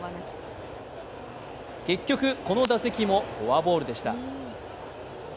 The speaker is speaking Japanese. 結局、この打席もフォアボールでした。